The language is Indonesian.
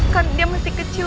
kan dia masih kecil